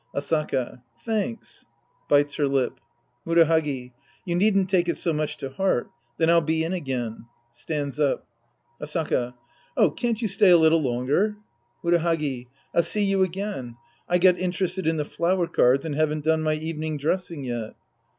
Asaka. Thanks. {Bites her Up.) Murahagi. You needn't take it so much to heart. Then I'll be in again. {Stands up!) Asaka. Oh, can't you stay a little longer ? Murahagi. I'll see you again. I got interested in the flower cards and haven't done my evening dres sing yet.